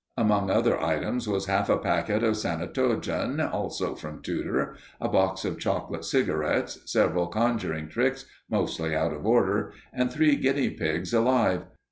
Among other items was half a packet of Sanatogen, also from Tudor, a box of chocolate cigarettes, several conjuring tricks, mostly out of order, and three guinea pigs alive.